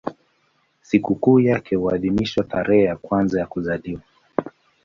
Sikukuu yake huadhimishwa tarehe yake ya kuzaliwa.